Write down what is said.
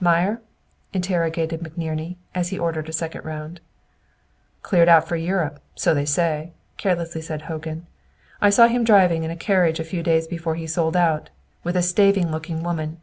"Meyer?" interrogated McNerney, as he ordered the second round. "Cleared out for Europe, so they say," carelessly said Hogan. "I saw him driving in a carriage a few days before he sold out, with a staving looking woman.